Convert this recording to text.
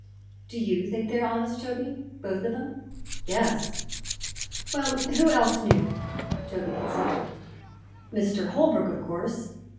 "Do you think they are honest, Toby both of 'em?" "Yes." "Well, who else knew?" Toby considered. "Mr. Holbrook, of course.